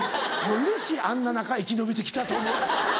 うれしいあんな中生き延びて来たと。